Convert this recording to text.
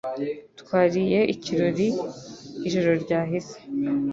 twariye ikirori ijoro ryahise